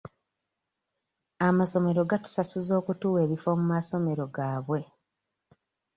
Amasomero gatusasuza okutuwa ebifo mu masomero gaabye.